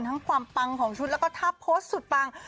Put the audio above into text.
ทั้งความปังของชุดแล้วก็ถ้าโพสต์สุดปัง